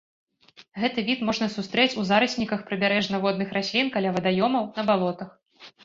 Гэты від можна сустрэць у зарасніках прыбярэжна-водных раслін каля вадаёмаў, на балотах.